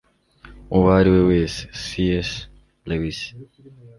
uwo ari we wese - c s lewis